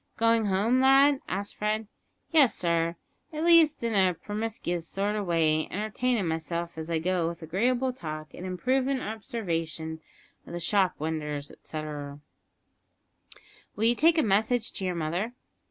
"Going home, lad?" asked Fred. "Yes, sir at least in a permiscuous sort of way entertainin' myself as I goes with agreeable talk, and improvin' obsarvation of the shop winders, etceterrer." "Will you take a message to your mother?"